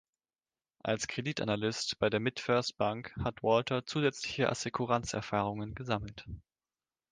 Als Kreditanalyst bei der MidFirst Bank hat Walter zusätzliche Assekuranzerfahrungen gesammelt.